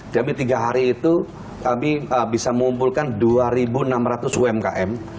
jadi tiga hari itu kami bisa mengumpulkan dua enam ratus umkm